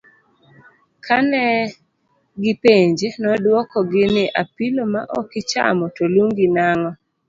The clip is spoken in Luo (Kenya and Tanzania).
Kane gi penje, noduoko gi ni apilo ma okichamo to lungi nang'o?